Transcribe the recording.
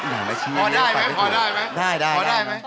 พอได้มั้ยพอได้มั้ยพอได้